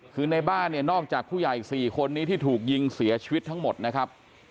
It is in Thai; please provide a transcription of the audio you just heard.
คือในบ้านเนี่ยนอกจากผู้ใหญ่๔คนนี้ที่ถูกยิงเสียชีวิตทั้งหมดนะครับ